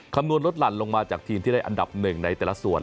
คำนวณลดหลั่นลงมาจากทีมที่ได้อันดับหนึ่งในแต่ละส่วน